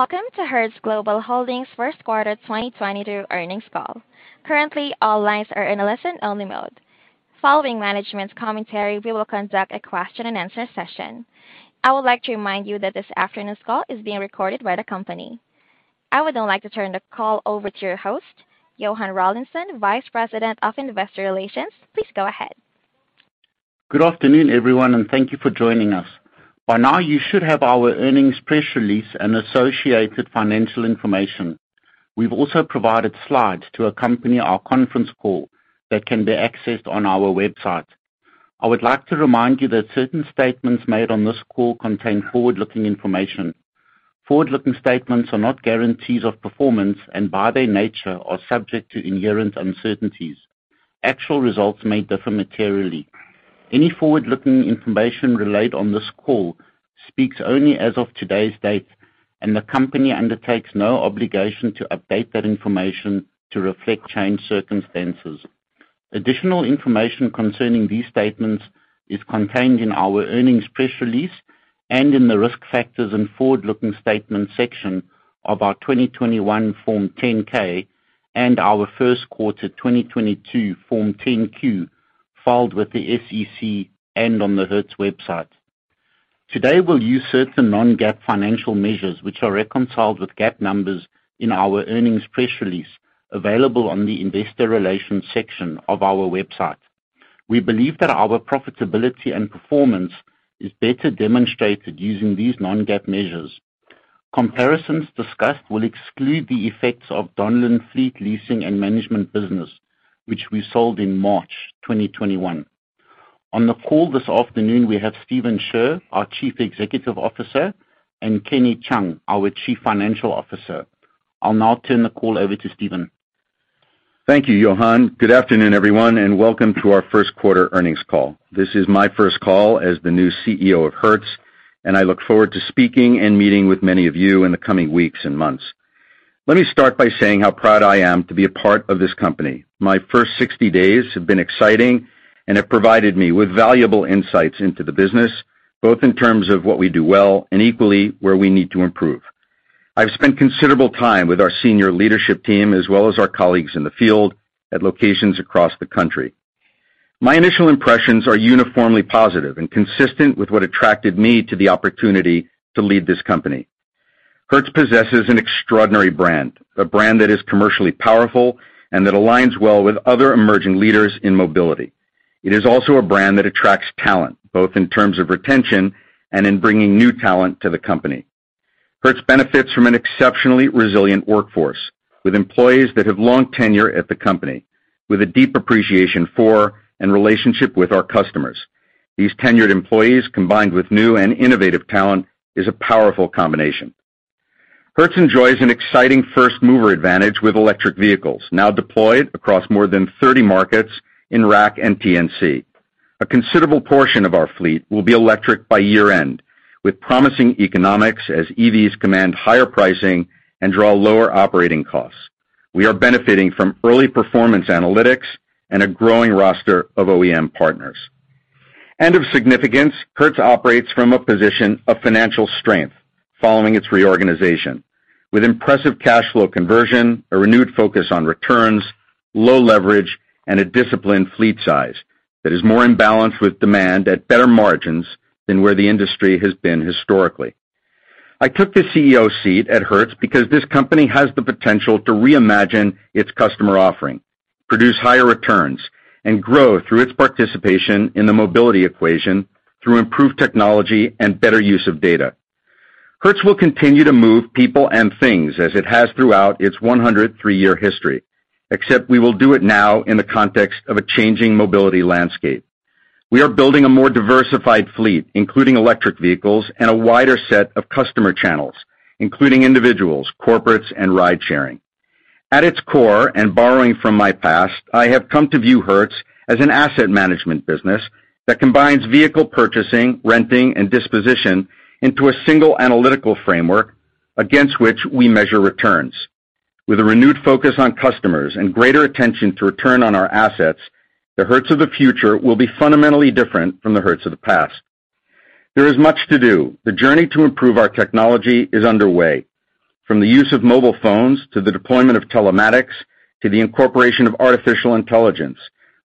Welcome to Hertz Global Holdings First Quarter 2022 Earnings Call. Currently, all lines are in a listen-only mode. Following management's commentary, we will conduct a question-and-answer session. I would like to remind you that this afternoon's call is being recorded by the company. I would now like to turn the call over to your host, Johann Rawlinson, Vice President of Investor Relations. Please go ahead. Good afternoon, everyone, and thank you for joining us. By now, you should have our earnings press release and associated financial information. We've also provided slides to accompany our conference call that can be accessed on our website. I would like to remind you that certain statements made on this call contain forward-looking information. Forward-looking statements are not guarantees of performance and by their nature are subject to inherent uncertainties. Actual results may differ materially. Any forward-looking information relayed on this call speaks only as of today's date, and the company undertakes no obligation to update that information to reflect changed circumstances. Additional information concerning these statements is contained in our earnings press release and in the Risk Factors and Forward-Looking Statements section of our 2021 Form 10-K and our first quarter 2022 Form 10-Q filed with the SEC and on the Hertz website. Today, we'll use certain non-GAAP financial measures which are reconciled with GAAP numbers in our earnings press release available on the Investor Relations section of our website. We believe that our profitability and performance is better demonstrated using these non-GAAP measures. Comparisons discussed will exclude the effects of Donlen Fleet Leasing and Management business, which we sold in March 2021. On the call this afternoon, we have Stephen Scherr, our Chief Executive Officer, and Kenny Cheung, our Chief Financial Officer. I'll now turn the call over to Stephen. Thank you, Johann. Good afternoon, everyone, and welcome to our first quarter earnings call. This is my first call as the new CEO of Hertz, and I look forward to speaking and meeting with many of you in the coming weeks and months. Let me start by saying how proud I am to be a part of this company. My first 60 days have been exciting and have provided me with valuable insights into the business, both in terms of what we do well and equally where we need to improve. I've spent considerable time with our senior leadership team as well as our colleagues in the field at locations across the country. My initial impressions are uniformly positive and consistent with what attracted me to the opportunity to lead this company. Hertz possesses an extraordinary brand, a brand that is commercially powerful and that aligns well with other emerging leaders in mobility. It is also a brand that attracts talent, both in terms of retention and in bringing new talent to the company. Hertz benefits from an exceptionally resilient workforce with employees that have long tenure at the company with a deep appreciation for and relationship with our customers. These tenured employees, combined with new and innovative talent, is a powerful combination. Hertz enjoys an exciting first-mover advantage with electric vehicles now deployed across more than 30 markets in RAC and TNC. A considerable portion of our fleet will be electric by year-end, with promising economics as EVs command higher pricing and draw lower operating costs. We are benefiting from early performance analytics and a growing roster of OEM partners. Of significance, Hertz operates from a position of financial strength following its reorganization with impressive cash flow conversion, a renewed focus on returns, low leverage, and a disciplined fleet size that is more in balance with demand at better margins than where the industry has been historically. I took the CEO seat at Hertz because this company has the potential to reimagine its customer offering, produce higher returns, and grow through its participation in the mobility equation through improved technology and better use of data. Hertz will continue to move people and things as it has throughout its 103-year history, except we will do it now in the context of a changing mobility landscape. We are building a more diversified fleet, including electric vehicles and a wider set of customer channels, including individuals, corporates, and ride-sharing. At its core, and borrowing from my past, I have come to view Hertz as an asset management business that combines vehicle purchasing, renting, and disposition into a single analytical framework against which we measure returns. With a renewed focus on customers and greater attention to return on our assets, the Hertz of the future will be fundamentally different from the Hertz of the past. There is much to do. The journey to improve our technology is underway. From the use of mobile phones to the deployment of telematics to the incorporation of artificial intelligence,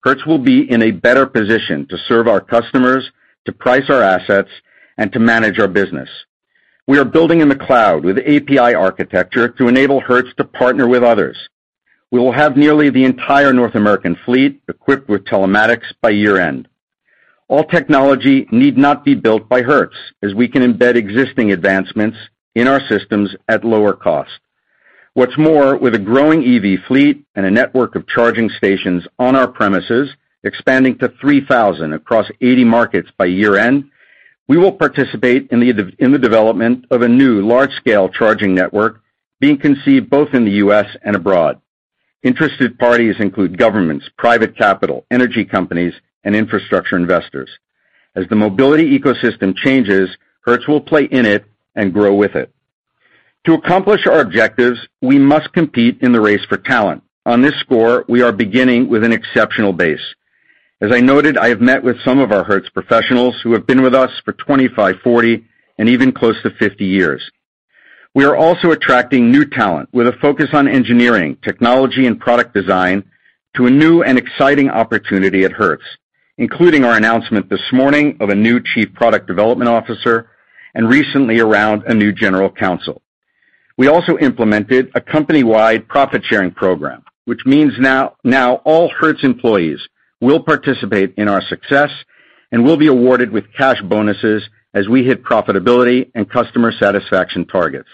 Hertz will be in a better position to serve our customers, to price our assets, and to manage our business. We are building in the cloud with API architecture to enable Hertz to partner with others. We will have nearly the entire North American fleet equipped with telematics by year-end. All technology need not be built by Hertz, as we can embed existing advancements in our systems at lower cost. What's more, with a growing EV fleet and a network of charging stations on our premises expanding to 3,000 across 80 markets by year-end, we will participate in the development of a new large-scale charging network being conceived both in the U.S. and abroad. Interested parties include governments, private capital, energy companies, and infrastructure investors. As the mobility ecosystem changes, Hertz will play in it and grow with it. To accomplish our objectives, we must compete in the race for talent. On this score, we are beginning with an exceptional base. As I noted, I have met with some of our Hertz professionals who have been with us for 25, 40, and even close to 50 years. We are also attracting new talent with a focus on engineering, technology, and product design to a new and exciting opportunity at Hertz, including our announcement this morning of a new chief product development officer and recently around a new general counsel. We also implemented a company-wide profit-sharing program, which means now all Hertz employees will participate in our success and will be awarded with cash bonuses as we hit profitability and customer satisfaction targets.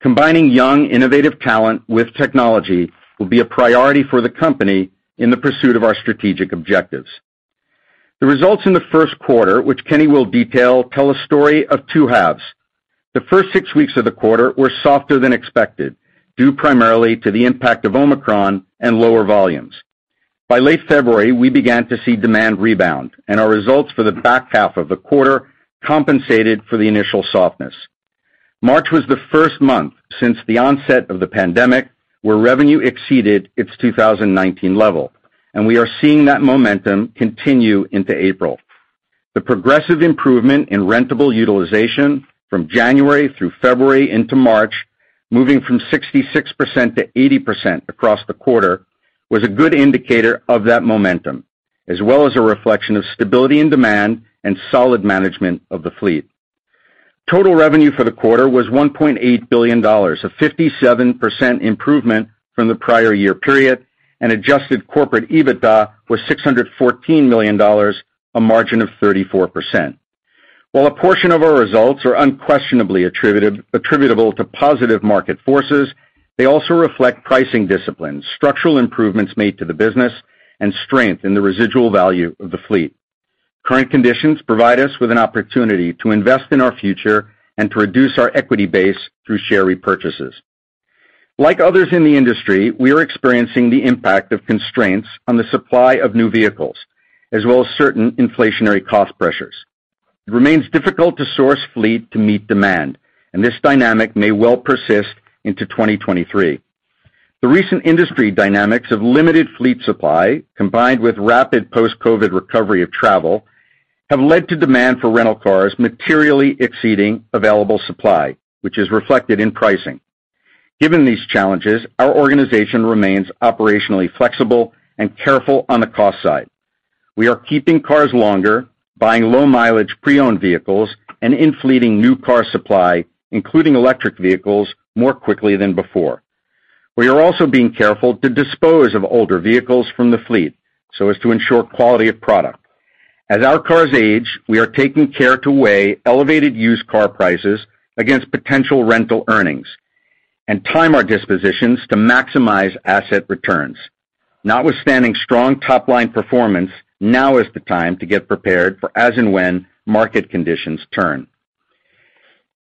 Combining young, innovative talent with technology will be a priority for the company in the pursuit of our strategic objectives. The results in the first quarter, which Kenny will detail, tell a story of two halves. The first six weeks of the quarter were softer than expected, due primarily to the impact of Omicron and lower volumes. By late February, we began to see demand rebound, and our results for the back half of the quarter compensated for the initial softness. March was the first month since the onset of the pandemic where revenue exceeded its 2019 level, and we are seeing that momentum continue into April. The progressive improvement in rentable utilization from January through February into March, moving from 66% to 80% across the quarter, was a good indicator of that momentum, as well as a reflection of stability and demand and solid management of the fleet. Total revenue for the quarter was $1.8 billion, a 57% improvement from the prior year period, and adjusted corporate EBITDA was $614 million, a margin of 34%. While a portion of our results are unquestionably attributable to positive market forces, they also reflect pricing disciplines, structural improvements made to the business, and strength in the residual value of the fleet. Current conditions provide us with an opportunity to invest in our future and to reduce our equity base through share repurchases. Like others in the industry, we are experiencing the impact of constraints on the supply of new vehicles, as well as certain inflationary cost pressures. It remains difficult to source fleet to meet demand, and this dynamic may well persist into 2023. The recent industry dynamics of limited fleet supply, combined with rapid post-COVID recovery of travel, have led to demand for rental cars materially exceeding available supply, which is reflected in pricing. Given these challenges, our organization remains operationally flexible and careful on the cost side. We are keeping cars longer, buying low-mileage pre-owned vehicles, and in-fleeting new car supply, including electric vehicles, more quickly than before. We are also being careful to dispose of older vehicles from the fleet so as to ensure quality of product. As our cars age, we are taking care to weigh elevated used car prices against potential rental earnings and time our dispositions to maximize asset returns. Notwithstanding strong top-line performance, now is the time to get prepared for as and when market conditions turn.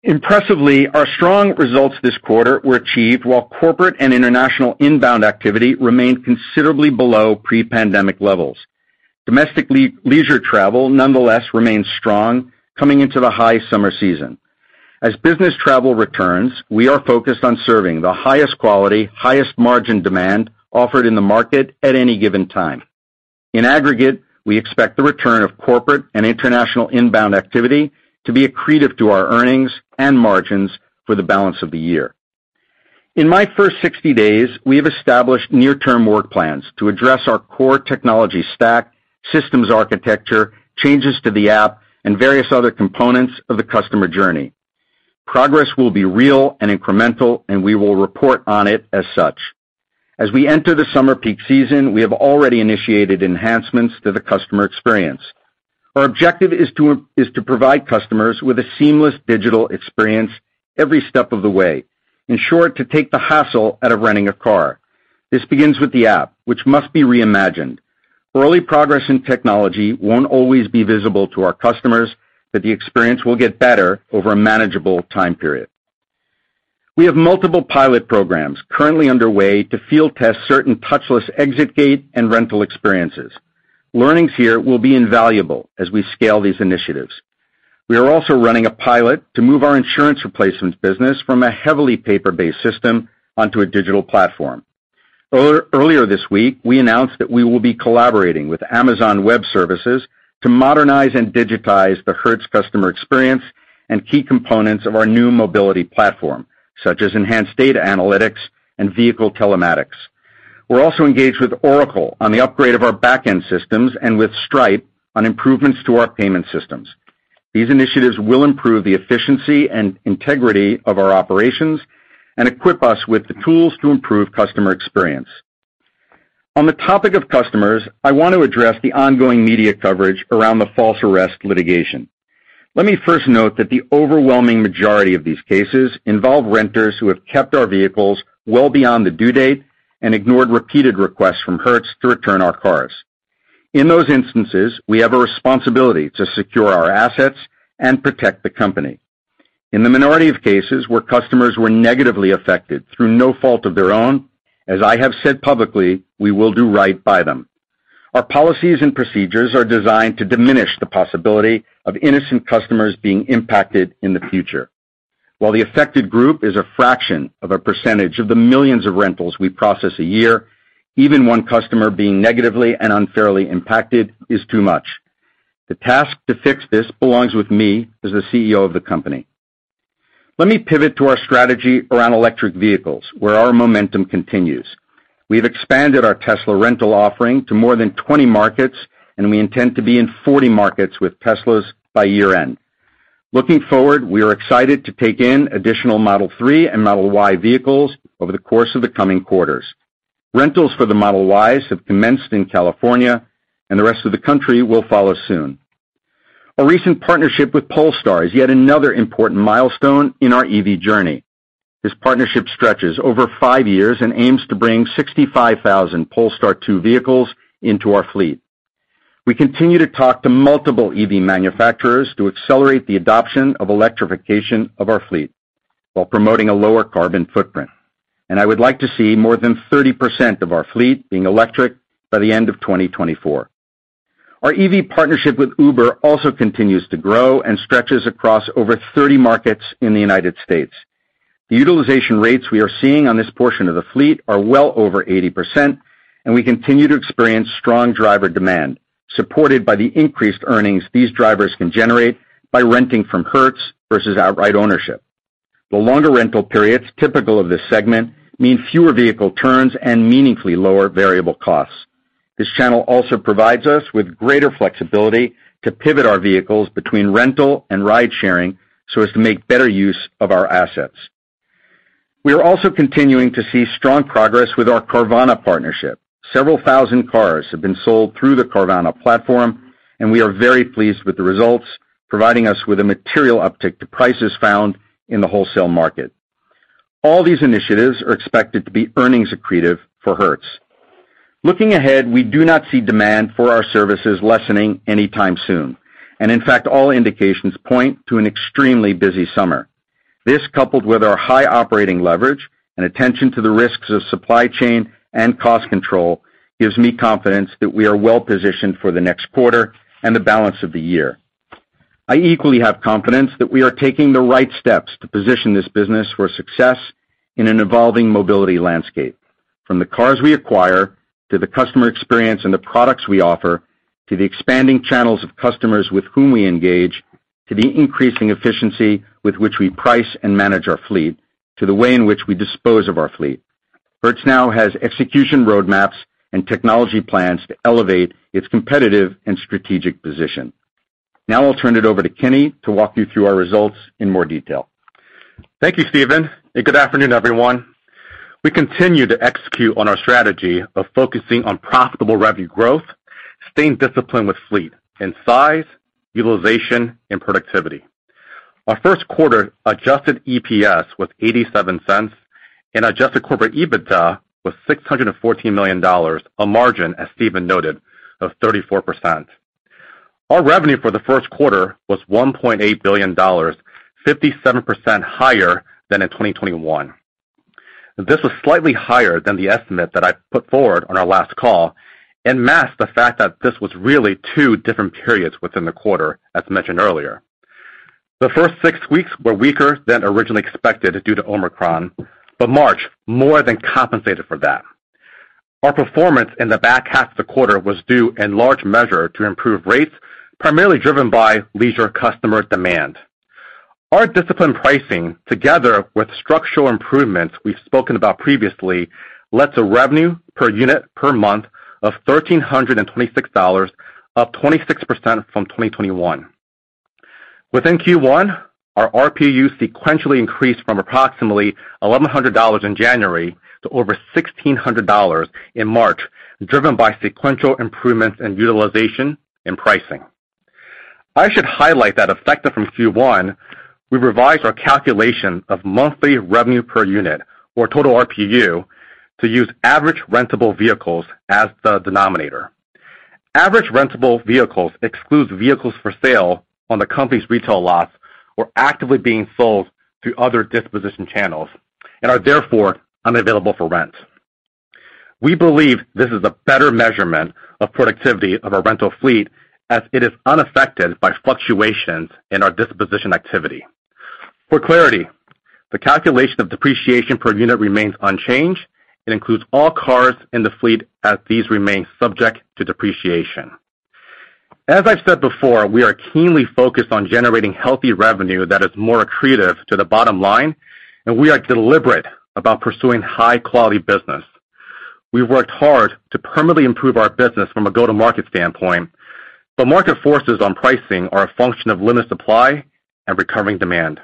Impressively, our strong results this quarter were achieved while corporate and international inbound activity remained considerably below pre-pandemic levels. Domestic leisure travel nonetheless remains strong coming into the high summer season. As business travel returns, we are focused on serving the highest quality, highest margin demand offered in the market at any given time. In aggregate, we expect the return of corporate and international inbound activity to be accretive to our earnings and margins for the balance of the year. In my first 60 days, we have established near-term work plans to address our core technology stack, systems architecture, changes to the app, and various other components of the customer journey. Progress will be real and incremental, and we will report on it as such. As we enter the summer peak season, we have already initiated enhancements to the customer experience. Our objective is to provide customers with a seamless digital experience every step of the way. In short, to take the hassle out of renting a car. This begins with the app, which must be reimagined. Early progress in technology won't always be visible to our customers, but the experience will get better over a manageable time period. We have multiple pilot programs currently underway to field test certain touchless exit gate and rental experiences. Learnings here will be invaluable as we scale these initiatives. We are also running a pilot to move our insurance replacement business from a heavily paper-based system onto a digital platform. Earlier this week, we announced that we will be collaborating with Amazon Web Services to modernize and digitize the Hertz customer experience and key components of our new mobility platform, such as enhanced data analytics and vehicle telematics. We're also engaged with Oracle on the upgrade of our back-end systems and with Stripe on improvements to our payment systems. These initiatives will improve the efficiency and integrity of our operations and equip us with the tools to improve customer experience. On the topic of customers, I want to address the ongoing media coverage around the false arrest litigation. Let me first note that the overwhelming majority of these cases involve renters who have kept our vehicles well beyond the due date and ignored repeated requests from Hertz to return our cars. In those instances, we have a responsibility to secure our assets and protect the company. In the minority of cases where customers were negatively affected through no fault of their own, as I have said publicly, we will do right by them. Our policies and procedures are designed to diminish the possibility of innocent customers being impacted in the future. While the affected group is a fraction of a percentage of the millions of rentals we process a year, even one customer being negatively and unfairly impacted is too much. The task to fix this belongs with me as the CEO of the company. Let me pivot to our strategy around electric vehicles, where our momentum continues. We've expanded our Tesla rental offering to more than 20 markets, and we intend to be in 40 markets with Teslas by year-end. Looking forward, we are excited to take in additional Model 3 and Model Y vehicles over the course of the coming quarters. Rentals for the Model Ys have commenced in California and the rest of the country will follow soon. A recent partnership with Polestar is yet another important milestone in our EV journey. This partnership stretches over five years and aims to bring 65,000 Polestar 2 vehicles into our fleet. We continue to talk to multiple EV manufacturers to accelerate the adoption of electrification of our fleet while promoting a lower carbon footprint. I would like to see more than 30% of our fleet being electric by the end of 2024. Our EV partnership with Uber also continues to grow and stretches across over 30 markets in the United States. The utilization rates we are seeing on this portion of the fleet are well over 80%, and we continue to experience strong driver demand, supported by the increased earnings these drivers can generate by renting from Hertz versus outright ownership. The longer rental periods typical of this segment mean fewer vehicle turns and meaningfully lower variable costs. This channel also provides us with greater flexibility to pivot our vehicles between rental and ridesharing so as to make better use of our assets. We are also continuing to see strong progress with our Carvana partnership. Several thousand cars have been sold through the Carvana platform, and we are very pleased with the results, providing us with a material uptick to prices found in the wholesale market. All these initiatives are expected to be earnings accretive for Hertz. Looking ahead, we do not see demand for our services lessening anytime soon. In fact, all indications point to an extremely busy summer. This, coupled with our high operating leverage and attention to the risks of supply chain and cost control, gives me confidence that we are well positioned for the next quarter and the balance of the year. I equally have confidence that we are taking the right steps to position this business for success in an evolving mobility landscape, from the cars we acquire to the customer experience and the products we offer, to the expanding channels of customers with whom we engage, to the increasing efficiency with which we price and manage our fleet, to the way in which we dispose of our fleet. Hertz now has execution roadmaps and technology plans to elevate its competitive and strategic position. Now I'll turn it over to Kenny to walk you through our results in more detail. Thank you, Stephen, and good afternoon, everyone. We continue to execute on our strategy of focusing on profitable revenue growth, staying disciplined with fleet in size, utilization, and productivity. Our first quarter adjusted EPS was $0.87 and adjusted corporate EBITDA was $614 million, a margin, as Stephen noted, of 34%. Our revenue for the first quarter was $1.8 billion, 57% higher than in 2021. This was slightly higher than the estimate that I put forward on our last call and masked the fact that this was really two different periods within the quarter, as mentioned earlier. The first six weeks were weaker than originally expected due to Omicron, but March more than compensated for that. Our performance in the back half of the quarter was due in large measure to improved rates, primarily driven by leisure customer demand. Our disciplined pricing, together with structural improvements we've spoken about previously, led to revenue per unit per month of $1,326, up 26% from 2021. Within Q1, our RPU sequentially increased from approximately $1,100 in January to over $1,600 in March, driven by sequential improvements in utilization and pricing. I should highlight that effective from Q1, we revised our calculation of monthly revenue per unit or total RPU to use average rentable vehicles as the denominator. Average rentable vehicles excludes vehicles for sale on the company's retail lots or actively being sold through other disposition channels and are therefore unavailable for rent. We believe this is a better measurement of productivity of our rental fleet as it is unaffected by fluctuations in our disposition activity. For clarity, the calculation of depreciation per unit remains unchanged. It includes all cars in the fleet as these remain subject to depreciation. As I've said before, we are keenly focused on generating healthy revenue that is more accretive to the bottom line, and we are deliberate about pursuing high-quality business. We've worked hard to permanently improve our business from a go-to-market standpoint, but market forces on pricing are a function of limited supply and recovering demand.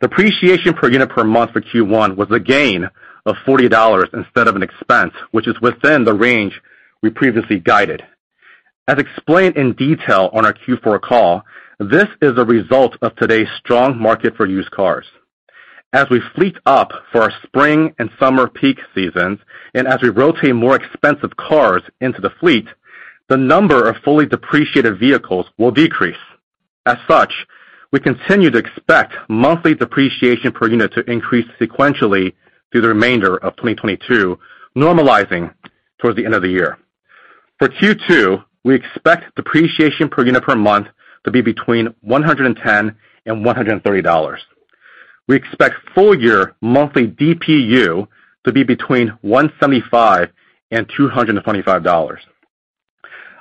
Depreciation per unit per month for Q1 was a gain of $40 instead of an expense, which is within the range we previously guided. As explained in detail on our Q4 call, this is a result of today's strong market for used cars. As we fleet up for our spring and summer peak seasons and as we rotate more expensive cars into the fleet, the number of fully depreciated vehicles will decrease. As such, we continue to expect monthly depreciation per unit to increase sequentially through the remainder of 2022, normalizing towards the end of the year. For Q2, we expect depreciation per unit per month to be between $110 and $130. We expect full year monthly DPU to be between $175 and $225.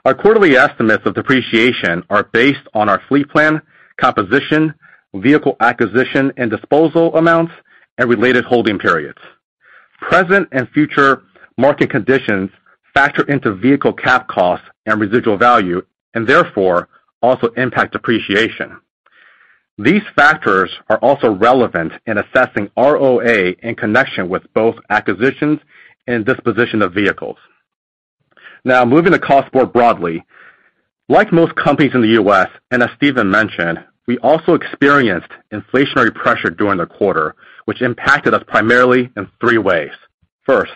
Our quarterly estimates of depreciation are based on our fleet plan, composition, vehicle acquisition, and disposal amounts, and related holding periods. Present and future market conditions factor into vehicle cap costs and residual value, and therefore also impact depreciation. These factors are also relevant in assessing ROA in connection with both acquisitions and disposition of vehicles. Now moving to cost more broadly. Like most companies in the U.S., and as Stephen mentioned, we also experienced inflationary pressure during the quarter, which impacted us primarily in three ways. First,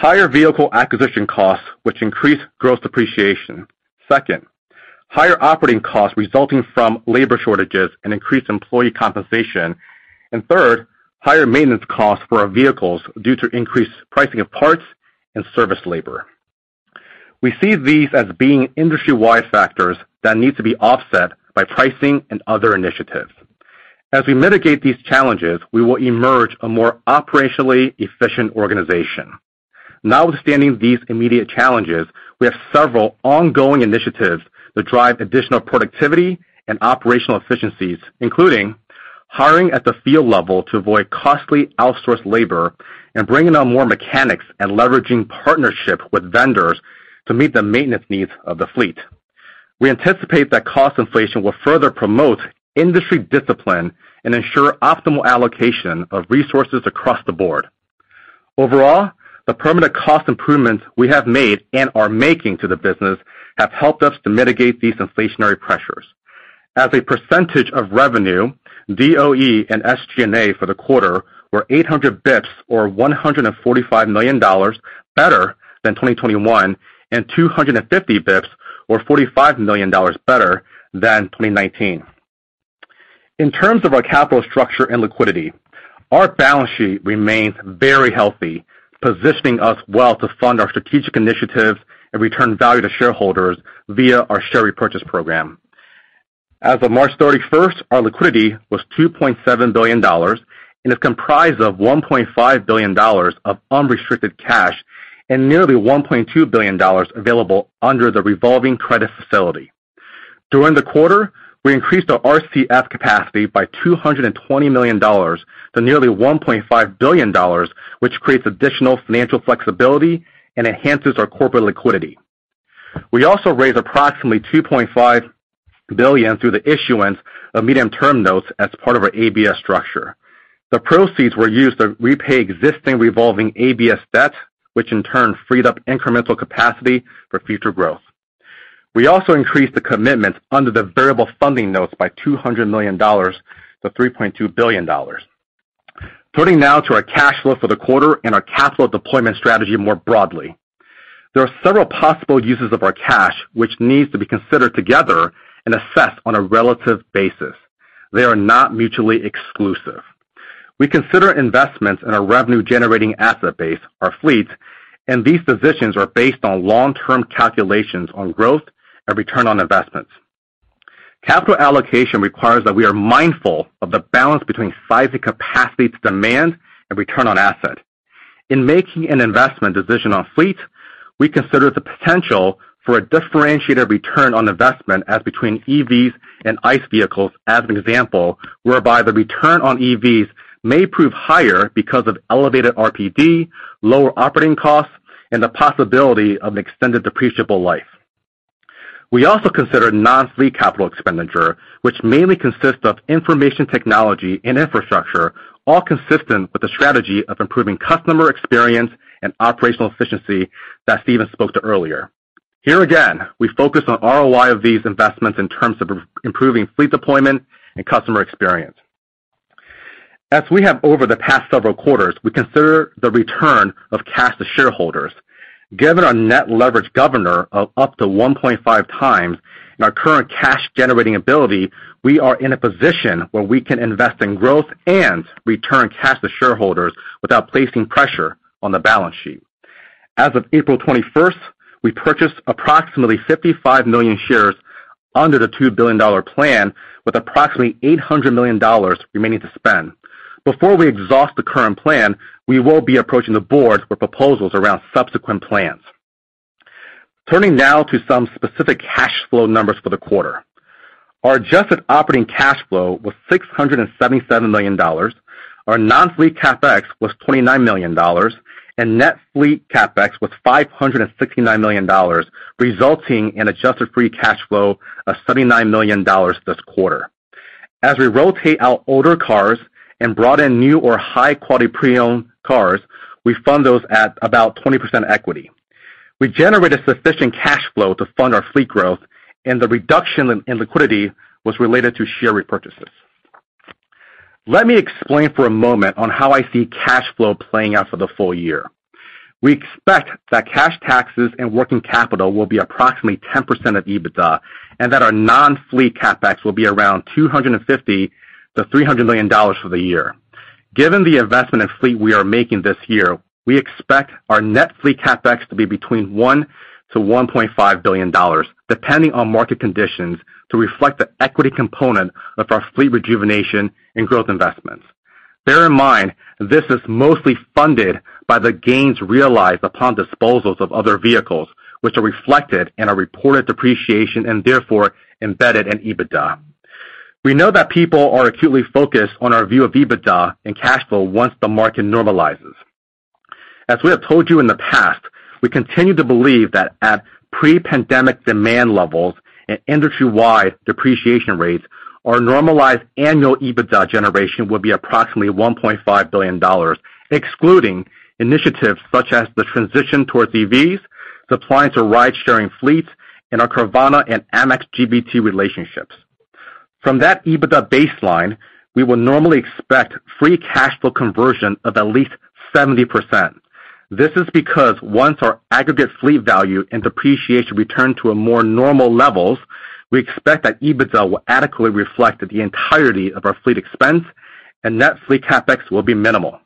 higher vehicle acquisition costs, which increase gross depreciation. Second, higher operating costs resulting from labor shortages and increased employee compensation. Third, higher maintenance costs for our vehicles due to increased pricing of parts and service labor. We see these as being industry-wide factors that need to be offset by pricing and other initiatives. As we mitigate these challenges, we will emerge a more operationally efficient organization. Notwithstanding these immediate challenges, we have several ongoing initiatives that drive additional productivity and operational efficiencies, including hiring at the field level to avoid costly outsourced labor and bringing on more mechanics and leveraging partnership with vendors to meet the maintenance needs of the fleet. We anticipate that cost inflation will further promote industry discipline and ensure optimal allocation of resources across the board. Overall, the permanent cost improvements we have made and are making to the business have helped us to mitigate these inflationary pressures. As a percentage of revenue, DOE and SG&A for the quarter were 800 BPS or $145 million better than 2021, and 250 BPS or $45 million better than 2019. In terms of our capital structure and liquidity, our balance sheet remains very healthy, positioning us well to fund our strategic initiatives and return value to shareholders via our share repurchase program. As of March 31st, our liquidity was $2.7 billion and is comprised of $1.5 billion of unrestricted cash and nearly $1.2 billion available under the revolving credit facility. During the quarter, we increased our RCF capacity by $220 million to nearly $1.5 billion, which creates additional financial flexibility and enhances our corporate liquidity. We also raised approximately $2.5 billion through the issuance of medium-term notes as part of our ABS structure. The proceeds were used to repay existing revolving ABS debt, which in turn freed up incremental capacity for future growth. We also increased the commitments under the variable funding notes by $200 million to $3.2 billion. Turning now to our cash flow for the quarter and our capital deployment strategy more broadly. There are several possible uses of our cash which needs to be considered together and assessed on a relative basis. They are not mutually exclusive. We consider investments in our revenue-generating asset base, our fleets, and these decisions are based on long-term calculations on growth and return on investments. Capital allocation requires that we are mindful of the balance between size and capacity to demand and return on asset. In making an investment decision on fleet, we consider the potential for a differentiated return on investment as between EVs and ICE vehicles as an example, whereby the return on EVs may prove higher because of elevated RPD, lower operating costs, and the possibility of an extended depreciable life. We also consider non-fleet capital expenditure, which mainly consists of information technology and infrastructure, all consistent with the strategy of improving customer experience and operational efficiency that Stephen spoke to earlier. Here again, we focus on ROI of these investments in terms of improving fleet deployment and customer experience. As we have over the past several quarters, we consider the return of cash to shareholders. Given our net leverage governor of up to 1.5x and our current cash-generating ability, we are in a position where we can invest in growth and return cash to shareholders without placing pressure on the balance sheet. As of April 21st, we purchased approximately 55 million shares under the $2 billion plan with approximately $800 million remaining to spend. Before we exhaust the current plan, we will be approaching the board with proposals around subsequent plans. Turning now to some specific cash flow numbers for the quarter. Our adjusted operating cash flow was $677 million. Our non-fleet CapEx was $29 million, and net fleet CapEx was $569 million, resulting in adjusted free cash flow of $79 million this quarter. As we rotate out older cars and brought in new or high-quality pre-owned cars, we fund those at about 20% equity. We generated sufficient cash flow to fund our fleet growth, and the reduction in liquidity was related to share repurchases. Let me explain for a moment on how I see cash flow playing out for the full year. We expect that cash taxes and working capital will be approximately 10% of EBITDA, and that our non-fleet CapEx will be around $250 million-$300 million for the year. Given the investment in fleet we are making this year, we expect our net fleet CapEx to be between $1 billion-$1.5 billion, depending on market conditions to reflect the equity component of our fleet rejuvenation and growth investments. Bear in mind, this is mostly funded by the gains realized upon disposals of other vehicles, which are reflected in our reported depreciation and therefore embedded in EBITDA. We know that people are acutely focused on our view of EBITDA and cash flow once the market normalizes. As we have told you in the past, we continue to believe that at pre-pandemic demand levels and industry-wide depreciation rates, our normalized annual EBITDA generation will be approximately $1.5 billion, excluding initiatives such as the transition towards EVs, supplying to ride-sharing fleets, and our Carvana and Amex GBT relationships. From that EBITDA baseline, we would normally expect free cash flow conversion of at least 70%. This is because once our aggregate fleet value and depreciation return to a more normal levels, we expect that EBITDA will adequately reflect the entirety of our fleet expense and net fleet CapEx will be minimal.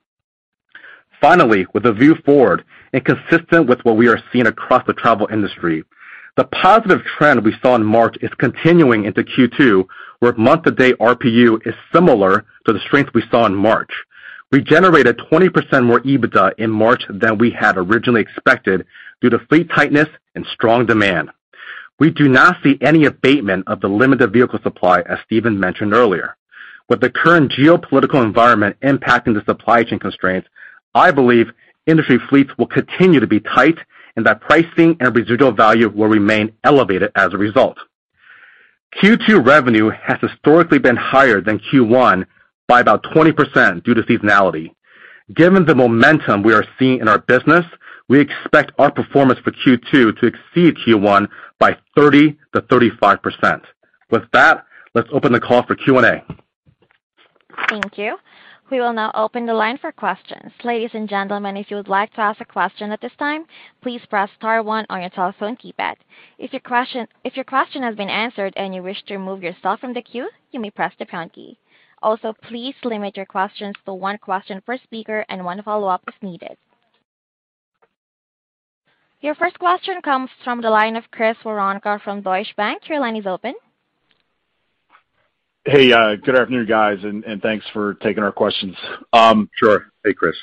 Finally, with a view forward and consistent with what we are seeing across the travel industry, the positive trend we saw in March is continuing into Q2, where month-to-date RPU is similar to the strength we saw in March. We generated 20% more EBITDA in March than we had originally expected due to fleet tightness and strong demand. We do not see any abatement of the limited vehicle supply, as Stephen mentioned earlier. With the current geopolitical environment impacting the supply chain constraints, I believe industry fleets will continue to be tight and that pricing and residual value will remain elevated as a result. Q2 revenue has historically been higher than Q1 by about 20% due to seasonality. Given the momentum we are seeing in our business, we expect our performance for Q2 to exceed Q1 by 30%-35%. With that, let's open the call for Q&A. Thank you. We will now open the line for questions. Ladies and gentlemen, if you would like to ask a question at this time, please press star one on your telephone keypad. If your question has been answered and you wish to remove yourself from the queue, you may press the pound key. Also, please limit your questions to one question per speaker and one follow-up if needed. Your first question comes from the line of Chris Woronka from Deutsche Bank. Your line is open. Hey, good afternoon, guys, and thanks for taking our questions. Sure. Hey, Chris.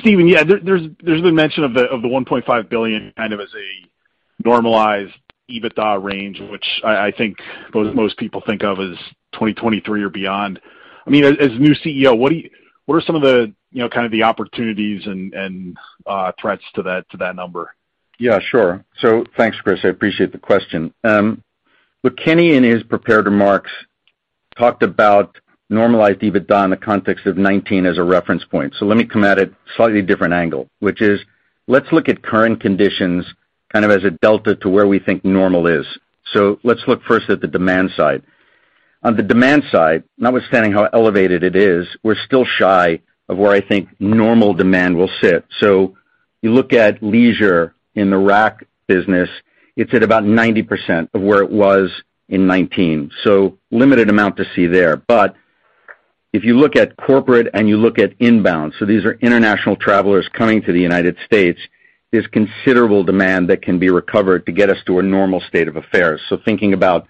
Stephen, yeah, there's been mention of the $1.5 billion kind of as a normalized EBITDA range, which I think most people think of as 2023 or beyond. I mean as new CEO, what are some of the, you know, kind of the opportunities and threats to that number? Yeah, sure. Thanks, Chris. I appreciate the question. Look, Kenny, in his prepared remarks talked about normalized EBITDA in the context of 2019 as a reference point. Let me come at it slightly different angle, which is let's look at current conditions kind of as a delta to where we think normal is. Let's look first at the demand side. On the demand side, notwithstanding how elevated it is, we're still shy of where I think normal demand will sit. You look at leisure in the RAC business, it's at about 90% of where it was in 2019, so limited amount to see there. If you look at corporate and you look at inbound, so these are international travelers coming to the United States, there's considerable demand that can be recovered to get us to a normal state of affairs. Thinking about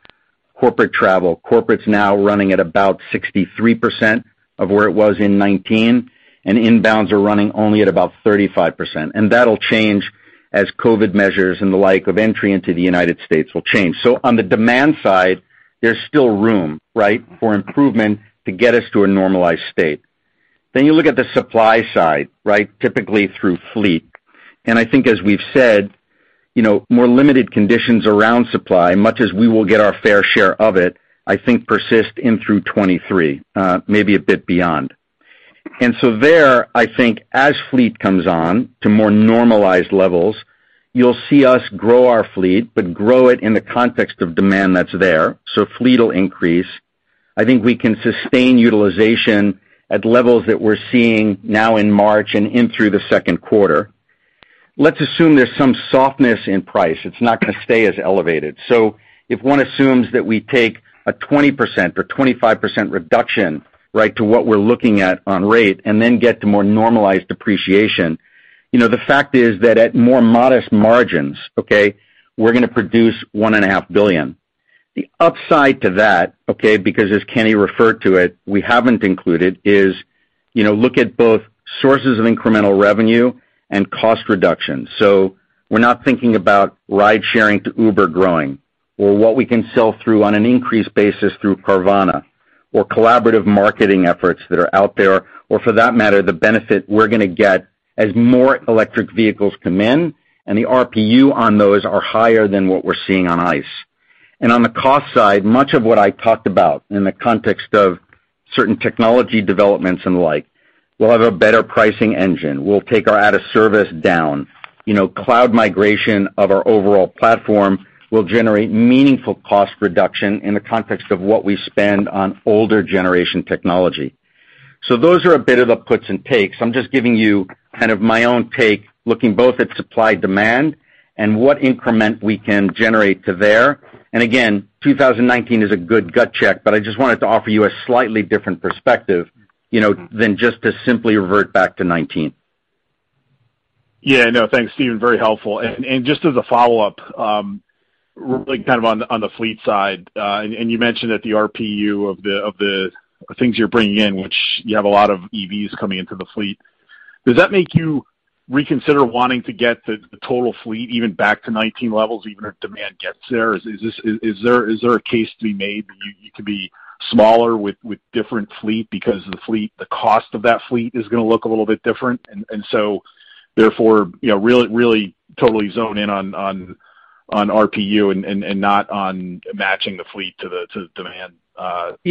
corporate travel, corporate's now running at about 63% of where it was in 2019, and inbounds are running only at about 35%. That'll change as COVID measures and the likes of entry into the United States will change. On the demand side, there's still room, right? For improvement to get us to a normalized state. You look at the supply side, right? Typically through fleet. I think as we've said, you know, more limited conditions around supply, much as we will get our fair share of it, I think persist into 2023, maybe a bit beyond. There, I think as fleet comes on to more normalized levels, you'll see us grow our fleet, but grow it in the context of demand that's there. Fleet will increase. I think we can sustain utilization at levels that we're seeing now in March and in through the second quarter. Let's assume there's some softness in price. It's not gonna stay as elevated. If one assumes that we take a 20% or 25% reduction, right to what we're looking at on rate and then get to more normalized depreciation, you know, the fact is that at more modest margins, okay, we're gonna produce $1.5 billion. The upside to that, okay, because as Kenny referred to it, we haven't included is, you know, look at both sources of incremental revenue and cost reduction. We're not thinking about ride-sharing to Uber growing or what we can sell through on an increased basis through Carvana or collaborative marketing efforts that are out there, or for that matter, the benefit we're gonna get as more electric vehicles come in and the RPU on those are higher than what we're seeing on ICE. On the cost side, much of what I talked about in the context of certain technology developments and the like, we'll have a better pricing engine. We'll take our out of service down. You know, cloud migration of our overall platform will generate meaningful cost reduction in the context of what we spend on older generation technology. Those are a bit of the puts and takes. I'm just giving you kind of my own take, looking both at supply demand and what increment we can generate to there. Again, 2019 is a good gut check, but I just wanted to offer you a slightly different perspective, you know, than just to simply revert back to 2019. Yeah, no, thanks, Stephen. Very helpful. Just as a follow-up, like kind of on the fleet side, and you mentioned that the RPU of the things you're bringing in, which you have a lot of EVs coming into the fleet. Does that make you reconsider wanting to get the total fleet even back to 2019 levels, even if demand gets there? Is this a case to be made that you need to be smaller with different fleet because the fleet, the cost of that fleet is gonna look a little bit different, and so therefore, you know, really totally zone in on RPU and not on matching the fleet to the demand equation?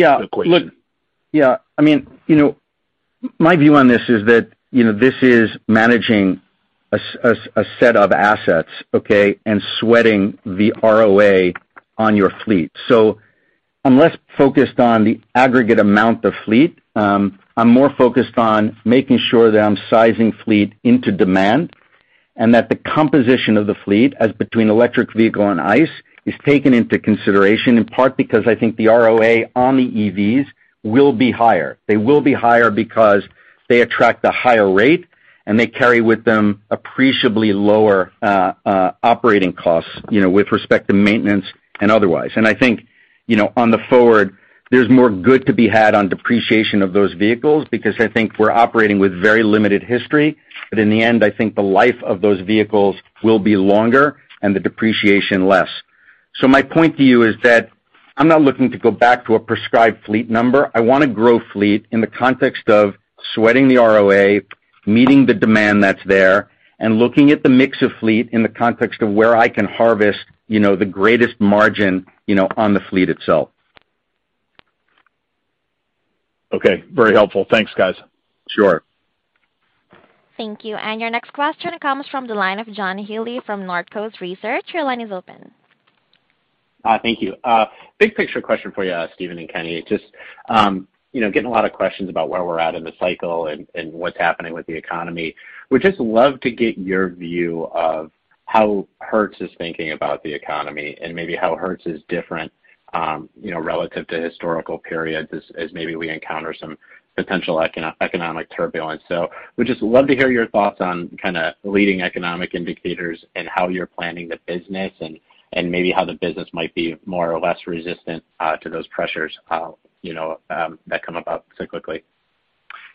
Yeah. Look. Yeah, I mean, you know, my view on this is that, you know, this is managing as a set of assets, okay? Sweating the ROA on your fleet. I'm less focused on the aggregate amount of fleet. I'm more focused on making sure that I'm sizing fleet into demand and that the composition of the fleet as between electric vehicle and ICE is taken into consideration, in part because I think the ROA on the EVs will be higher. They will be higher because they attract a higher rate, and they carry with them appreciably lower operating costs, you know, with respect to maintenance and otherwise. I think, you know, on the forward there's more good to be had on depreciation of those vehicles because I think we're operating with very limited history. In the end, I think the life of those vehicles will be longer and the depreciation less. My point to you is that, I'm not looking to go back to a prescribed fleet number. I wanna grow fleet in the context of sweating the ROA, meeting the demand that's there, and looking at the mix of fleet in the context of where I can harvest, you know, the greatest margin, you know, on the fleet itself. Okay, very helpful. Thanks, guys. Sure. Thank you. Your next question comes from the line of John Healy from Northcoast Research. Your line is open. Thank you. Big picture question for you, Stephen and Kenny. Just, you know, getting a lot of questions about where we're at in the cycle and what's happening with the economy. Would just love to get your view of how Hertz is thinking about the economy and maybe how Hertz is different, you know, relative to historical periods as maybe we encounter some potential economic turbulence. Would just love to hear your thoughts on kind of leading economic indicators and how you're planning the business and maybe how the business might be more or less resistant to those pressures, you know, that come about cyclically.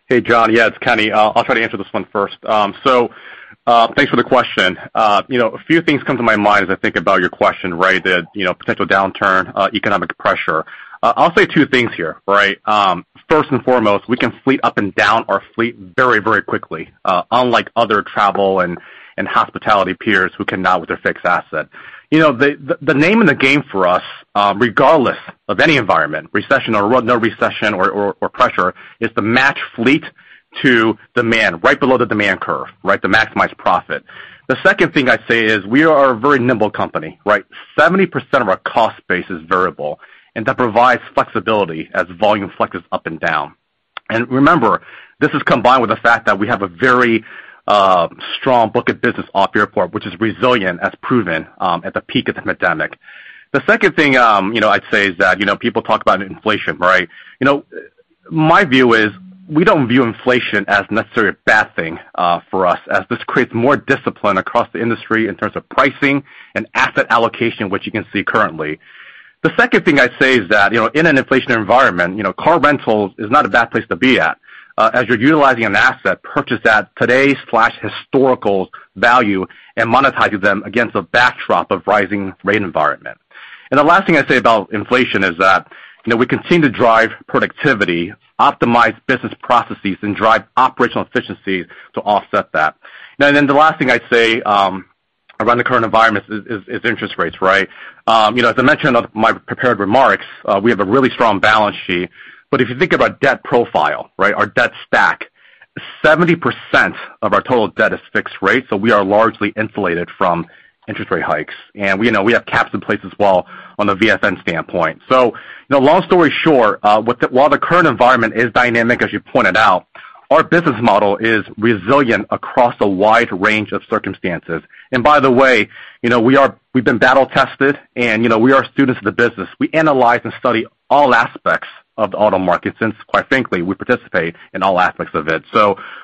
Hey, John. Yeah, it's Kenny. I'll try to answer this one first. Thanks for the question. You know, a few things come to my mind as I think about your question, right? You know, the potential downturn, economic pressure. I'll say two things here, right? First and foremost, we can flex up and down our fleet very, very quickly, unlike other travel and hospitality peers who cannot with their fixed asset. You know, the name in the game for us, regardless of any environment, recession or no recession or pressure, is to match fleet to demand right below the demand curve, right? To maximize profit. The second thing I'd say is we are a very nimble company, right? Seventy percent of our cost base is variable, and that provides flexibility as volume flexes up and down. Remember, this is combined with the fact that we have a very strong book of business off airport, which is resilient as proven at the peak of the pandemic. The second thing, you know, I'd say is that, you know, people talk about inflation, right? You know, my view is, we don't view inflation as necessarily a bad thing for us as this creates more discipline across the industry in terms of pricing and asset allocation, which you can see currently. The second thing I'd say is that, you know, in an inflationary environment, you know, car rentals is not a bad place to be at, as you're utilizing an asset purchased at today's/historical value and monetizing them against a backdrop of rising rate environment. The last thing I'd say about inflation is that, you know, we continue to drive productivity, optimize business processes, and drive operational efficiencies to offset that. The last thing I'd say around the current environment is interest rates, right? You know, as I mentioned on my prepared remarks, we have a really strong balance sheet. If you think of our debt profile, right, our debt stack, 70% of our total debt is fixed rate, so we are largely insulated from interest rate hikes. You know, we have caps in place as well on the VFN standpoint. You know, long story short, while the current environment is dynamic, as you pointed out, our business model is resilient across a wide range of circumstances. By the way, you know, we've been battle tested and, you know, we are students of the business. We analyze and study all aspects of the auto market since, quite frankly, we participate in all aspects of it.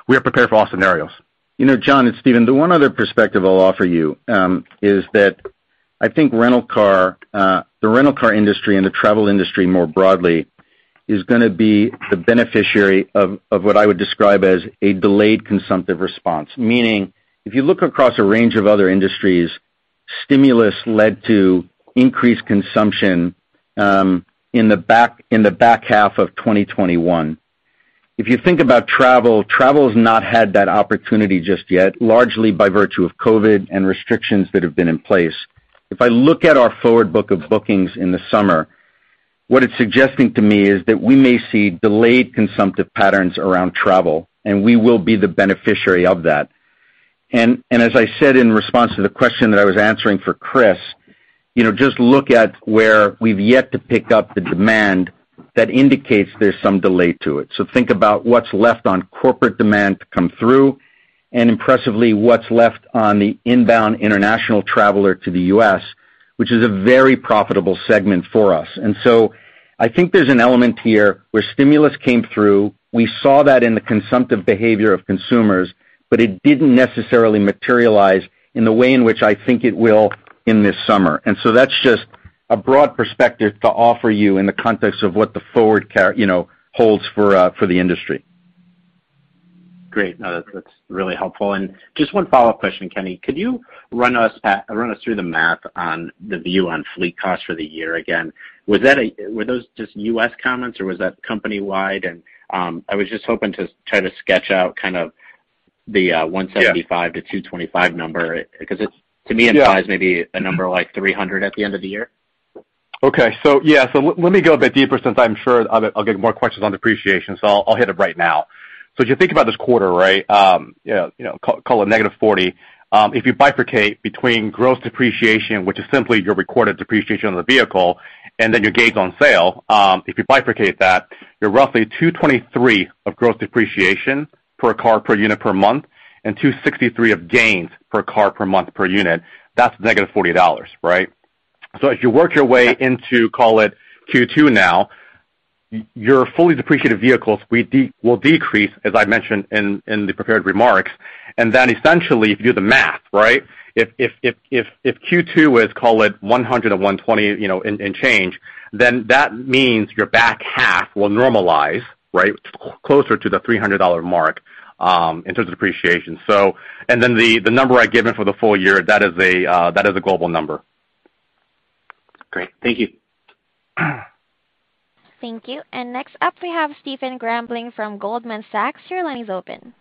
We are prepared for all scenarios. You know, John, it's Stephen. The one other perspective I'll offer you is that I think rental car, the rental car industry and the travel industry more broadly, is gonna be the beneficiary of what I would describe as a delayed consumptive response. Meaning, if you look across a range of other industries, stimulus led to increased consumption in the back half of 2021. If you think about travel has not had that opportunity just yet, largely by virtue of COVID and restrictions that have been in place. If I look at our forward book of bookings in the summer, what it's suggesting to me is that we may see delayed consumptive patterns around travel, and we will be the beneficiary of that. As I said in response to the question that I was answering for Chris, you know, just look at where we've yet to pick up the demand that indicates there's some delay to it. Think about what's left on corporate demand to come through and impressively what's left on the inbound international traveler to the U.S., which is a very profitable segment for us. I think there's an element here where stimulus came through. We saw that in the consumptive behavior of consumers, but it didn't necessarily materialize in the way in which I think it will in this summer. That's just a broad perspective to offer you in the context of what the forward car, you know, holds for the industry. Great. No, that's really helpful. Just one follow-up question, Kenny. Could you run us through the math on the view on fleet costs for the year again? Were those just U.S. comments or was that company-wide? I was just hoping to try to sketch out kind of the Yeah $175-$225 number because it's, to me- Yeah implies maybe a number like $300 at the end of the year. Okay. Yeah. Let me go a bit deeper since I'm sure I'll get more questions on depreciation, so I'll hit it right now. If you think about this quarter, right? You know, call it -$40. If you bifurcate between gross depreciation, which is simply your recorded depreciation on the vehicle, and then your gains on sale, if you bifurcate that, you're roughly $223 of gross depreciation per car, per unit, per month, and $263 of gains per car, per month, per unit. That's -$40, right? As you work your way into, call it Q2 now, your fully depreciated vehicles will decrease, as I mentioned in the prepared remarks. Essentially if you do the math, right? If Q2 is call it $100 or $120, you know, and change, then that means your back half will normalize, right? Closer to the $300 mark in terms of depreciation. Then the number I've given for the full year, that is a global number. Great. Thank you. Thank you. Next up we have Stephen Grambling from Goldman Sachs. Your line is open.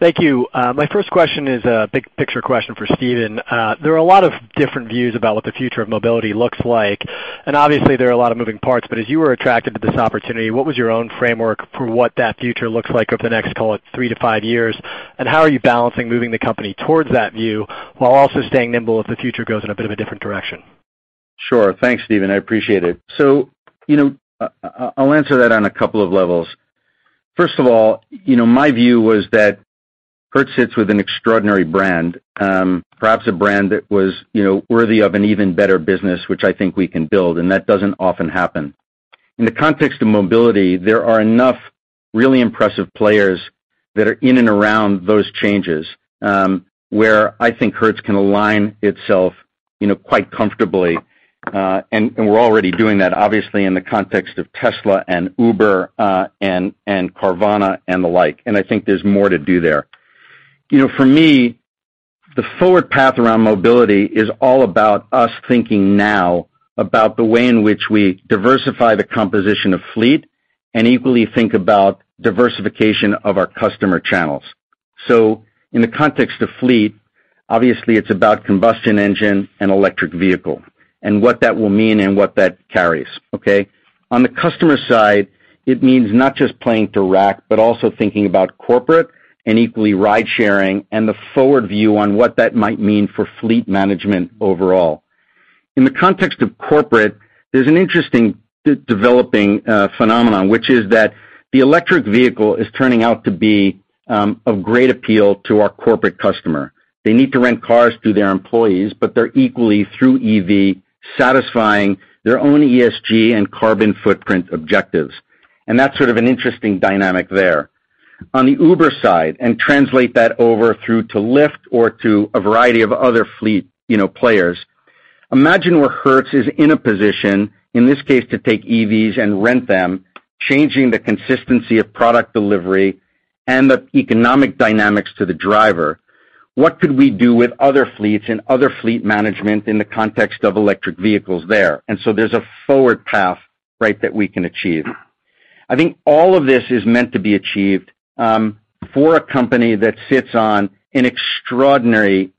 Thank you. My first question is a big picture question for Stephen. There are a lot of different views about what the future of mobility looks like, and obviously there are a lot of moving parts. As you were attracted to this opportunity, what was your own framework for what that future looks like over the next, call it three to five years? How are you balancing moving the company towards that view while also staying nimble if the future goes in a bit of a different direction? Sure. Thanks, Stephen. I appreciate it. You know, I'll answer that on a couple of levels. First of all, you know, my view was that Hertz sits with an extraordinary brand, perhaps a brand that was, you know, worthy of an even better business, which I think we can build, and that doesn't often happen. In the context of mobility, there are enough really impressive players that are in and around those changes, where I think Hertz can align itself, you know, quite comfortably. We're already doing that obviously in the context of Tesla and Uber, and Carvana and the like. I think there's more to do there. You know, for me, the forward path around mobility is all about us thinking now about the way in which we diversify the composition of fleet and equally think about diversification of our customer channels. In the context of fleet, obviously it's about combustion engine and electric vehicle and what that will mean and what that carries. Okay? On the customer side, it means not just playing direct, but also thinking about corporate and equally ride-sharing and the forward view on what that might mean for fleet management overall. In the context of corporate, there's an interesting developing phenomenon, which is that the electric vehicle is turning out to be of great appeal to our corporate customer. They need to rent cars to their employees, but they're equally through EV, satisfying their own ESG and carbon footprint objectives. That's sort of an interesting dynamic there. On the Uber side, and translate that over through to Lyft or to a variety of other fleet, you know, players, imagine where Hertz is in a position, in this case, to take EVs and rent them, changing the consistency of product delivery and the economic dynamics to the driver. What could we do with other fleets and other fleet management in the context of electric vehicles there? There's a forward path, right, that we can achieve. I think all of this is meant to be achieved for a company that sits on an extraordinary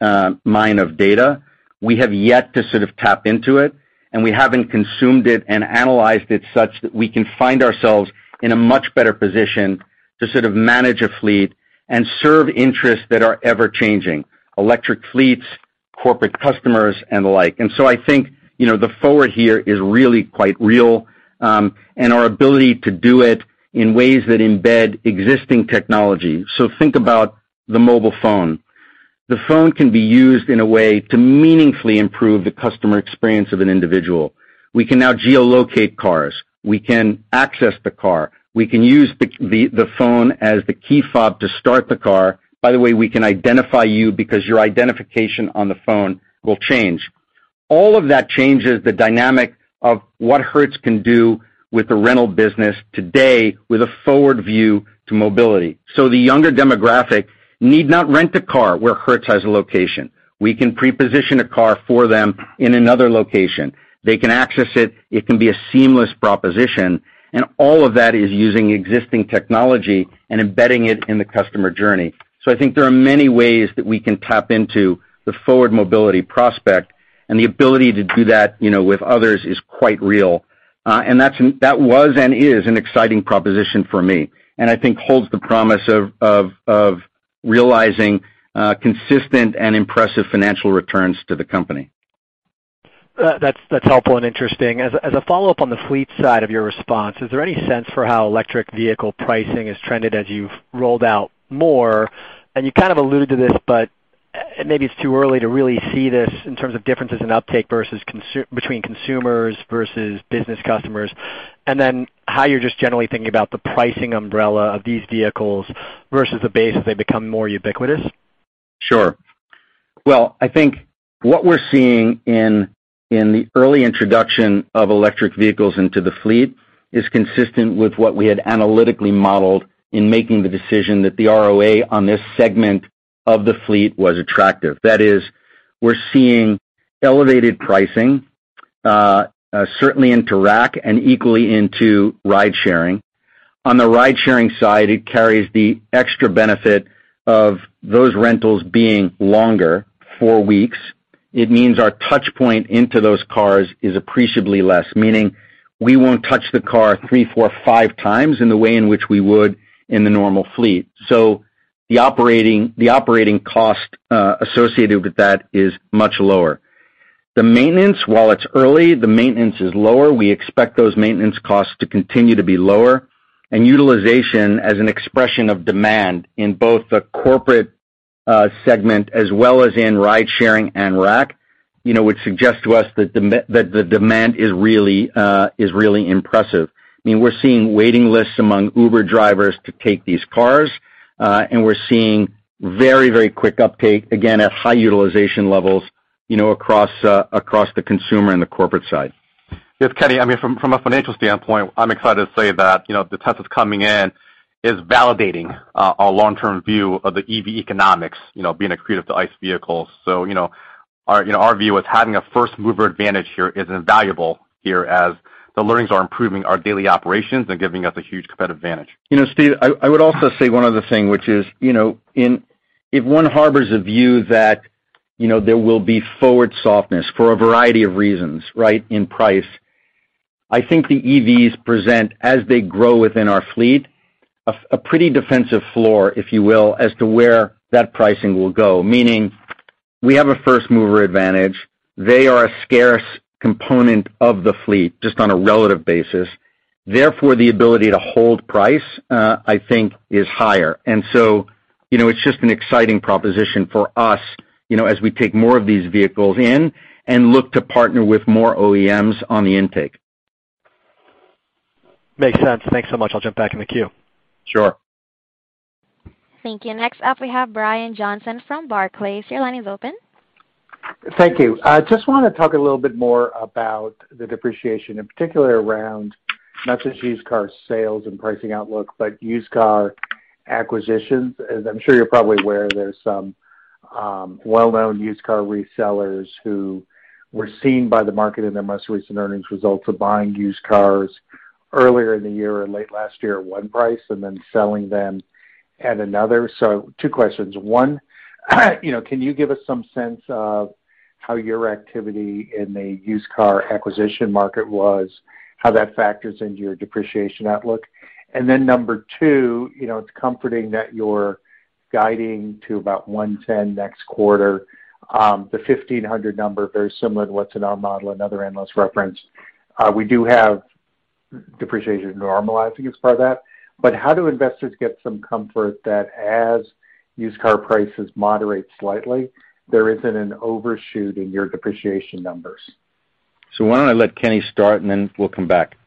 mine of data. We have yet to sort of tap into it, and we haven't consumed it and analyzed it such that we can find ourselves in a much better position to sort of manage a fleet and serve interests that are ever-changing, electric fleets, corporate customers and the like. I think, you know, the forward here is really quite real, and our ability to do it in ways that embed existing technology. Think about the mobile phone. The phone can be used in a way to meaningfully improve the customer experience of an individual. We can now geo-locate cars. We can access the car. We can use the phone as the key fob to start the car. By the way, we can identify you because your identification on the phone will change. All of that changes the dynamic of what Hertz can do with the rental business today with a forward view to mobility. The younger demographic need not rent a car where Hertz has a location. We can pre-position a car for them in another location. They can access it. It can be a seamless proposition, and all of that is using existing technology and embedding it in the customer journey. I think there are many ways that we can tap into the forward mobility prospect, and the ability to do that, you know, with others is quite real. That's that was and is an exciting proposition for me, and I think holds the promise of realizing consistent and impressive financial returns to the company. That's helpful and interesting. As a follow-up on the fleet side of your response, is there any sense for how electric vehicle pricing has trended as you've rolled out more? You kind of alluded to this, but maybe it's too early to really see this in terms of differences in uptake between consumers versus business customers, and then how you're just generally thinking about the pricing umbrella of these vehicles versus the base as they become more ubiquitous. Sure. Well, I think what we're seeing in the early introduction of electric vehicles into the fleet is consistent with what we had analytically modeled in making the decision that the ROA on this segment of the fleet was attractive. That is, we're seeing elevated pricing, certainly into rack and equally into ridesharing. On the ridesharing side, it carries the extra benefit of those rentals being longer, four weeks. It means our touch point into those cars is appreciably less, meaning we won't touch the car 3x, 4x, 5x in the way in which we would in the normal fleet. The operating cost associated with that is much lower. The maintenance, while it's early, is lower. We expect those maintenance costs to continue to be lower. Utilization as an expression of demand in both the corporate segment as well as in ridesharing and rack, you know, would suggest to us that the demand is really impressive. I mean, we're seeing waiting lists among Uber drivers to take these cars, and we're seeing very, very quick uptake, again, at high utilization levels, you know, across the consumer and the corporate side. Yes, Kenny. I mean, from a financial standpoint, I'm excited to say that, you know, the test that's coming in is validating our long-term view of the EV economics, you know, being accretive to ICE vehicles. Our view is having a first-mover advantage here is invaluable here as the learnings are improving our daily operations and giving us a huge competitive advantage. You know, Stephen, I would also say one other thing, which is, you know, if one harbors a view that, you know, there will be forward softness for a variety of reasons, right, in price, I think the EVs present, as they grow within our fleet, a pretty defensive floor, if you will, as to where that pricing will go. Meaning, we have a first-mover advantage. They are a scarce component of the fleet, just on a relative basis. Therefore, the ability to hold price, I think is higher. You know, it's just an exciting proposition for us, you know, as we take more of these vehicles in and look to partner with more OEMs on the intake. Makes sense. Thanks so much. I'll jump back in the queue. Sure. Thank you. Next up, we have Brian Johnson from Barclays. Your line is open. Thank you. I just wanna talk a little bit more about the depreciation, in particular around not just used car sales and pricing outlook, but used car acquisitions. As I'm sure you're probably aware, there's some well-known used car resellers who were seen by the market in their most recent earnings results of buying used cars earlier in the year or late last year at one price and then selling them at another. Two questions. One, you know, can you give us some sense of how your activity in the used car acquisition market was, how that factors into your depreciation outlook? Number two, you know, it's comforting that you're guiding to about $110 next quarter, the $1,500 number, very similar to what's in our model another analyst referenced. We do have depreciation normalizing as part of that. How do investors get some comfort that as used car prices moderate slightly, there isn't an overshoot in your depreciation numbers? Why don't I let Kenny start, and then we'll come back.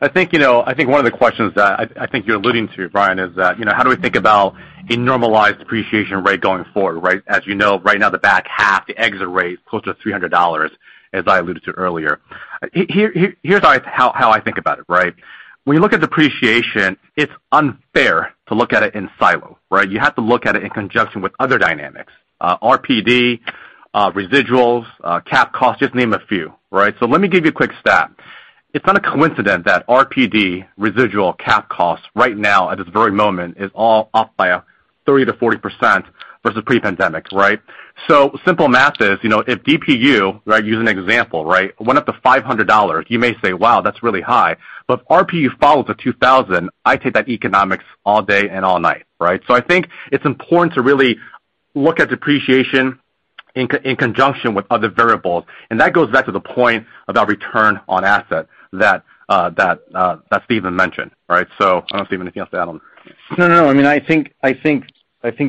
I think, you know, I think one of the questions that I think you're alluding to, Brian, is that, you know, how do we think about a normalized depreciation rate going forward, right? As you know, right now the back half, the exit rate is close to $300, as I alluded to earlier. Here, here's how I think about it, right? When you look at depreciation, it's unfair to look at it in silo, right? You have to look at it in conjunction with other dynamics, RPD, residuals, cap costs, just to name a few, right? Let me give you a quick stat. It's not a coincidence that RPD residual cap costs right now at this very moment is all up by 30%-40% versus pre-pandemic, right? Simple math is, you know, if DPU, right, use an example, right, went up to $500, you may say, "Wow, that's really high." If RPU follows $2,000, I take that economics all day and all night, right? I think it's important to really look at depreciation in conjunction with other variables. That goes back to the point about return on asset that Stephen mentioned, right? I don't know, Stephen, anything else to add on? No. I mean, I think